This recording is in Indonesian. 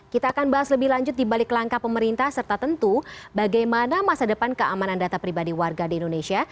kita akan bahas lebih lanjut di balik langkah pemerintah serta tentu bagaimana masa depan keamanan data pribadi warga di indonesia